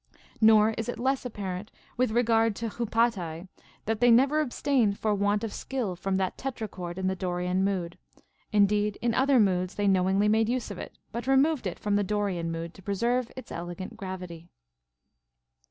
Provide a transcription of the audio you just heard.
Nor is it less apparent, with regard to the ντζάται, that they never abstained for want of skill from that tetrachord in the Dorian mood ; indeed in other moods they knowingly made use of it, but removed it from the Dorian mood to preserve its elegant graA^ty.